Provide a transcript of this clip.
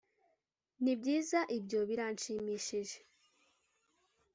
nibyiza ibyo birashimishije.